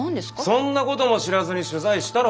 そんなことも知らずに取材したのか？